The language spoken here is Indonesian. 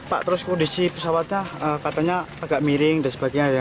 pak terus kondisi pesawatnya katanya agak miring dan sebagainya ya